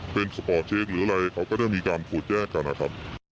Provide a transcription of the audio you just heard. เป็นสปอร์ตเชฟหรืออะไรเขาก็ต้องมีการขูดแยกกันนะครับ